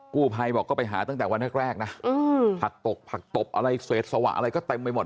กู้ภัยบอกก็ไปหาตั้งแต่วันแรกนะผักตกผักตบอะไรเศษสวะอะไรก็เต็มไปหมด